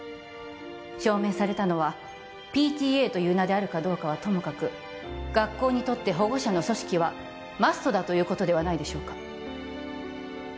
証明されたのはＰＴＡという名であるかどうかはともかく学校にとって保護者の組織はマストだということではないでしょうか？